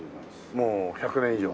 もう１００年以上？